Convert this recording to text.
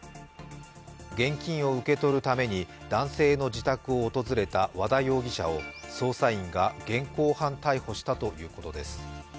現金を受け取るために男性の自宅を訪れた和田容疑者を捜査員が現行犯逮捕したということです。